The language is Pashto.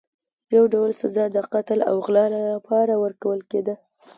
یو ډول سزا د قتل او غلا لپاره ورکول کېدله.